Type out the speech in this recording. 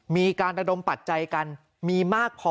มีการระดมปัจจัยกันมีมากพอ